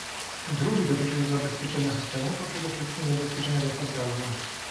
Drugi dotyczy zabezpieczenia systemów, a przede wszystkim zabezpieczenia dostaw gazu